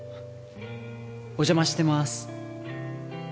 お邪魔してまーす。